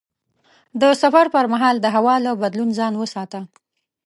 د سفر پر مهال د هوا له بدلون ځان وساته.